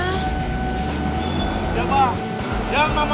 yang namanya berantem supasa